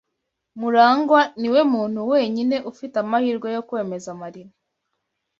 MuragwA niwe muntu wenyine ufite amahirwe yo kwemeza Marina.